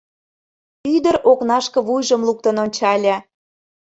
Ӱдыр окнашке вуйжым луктын ончале: